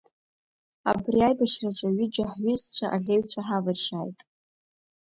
Абри аибашьраҿы ҩыџьа ҳҩызцәа аӷьеҩцәа ҳавыршьааит.